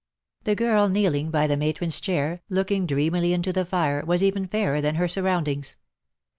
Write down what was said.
The girl kneeling by the matron 's chair, looking dreamily into the fire, was even fairer than her surroundings.